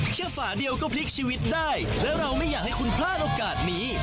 ฝาเดียวก็พลิกชีวิตได้และเราไม่อยากให้คุณพลาดโอกาสนี้